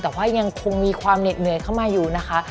แต่ว่ายังคงมีความเหน็ดเหนื่อยเข้ามาอยู่นะคะ